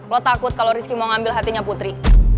lo takut kalau rizky mau ngambil hatinya putri